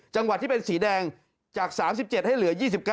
จังหวัดที่เป็นสีแดงจาก๓๗ให้เหลือ๒๙